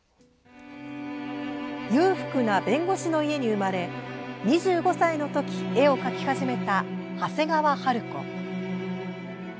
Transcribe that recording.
裕福な弁護士の家に生まれ２５歳の時、絵を描き始めた長谷川春子。